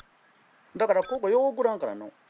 だからここよう送らんからの。